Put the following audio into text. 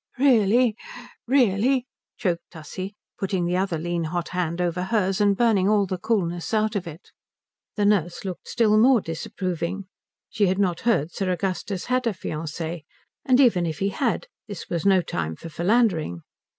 "Really? Really?" choked Tussie, putting the other lean hot hand over hers and burning all the coolness out of it. The nurse looked still more disapproving. She had not heard Sir Augustus had a fiancée, and even if he had this was no time for philandering.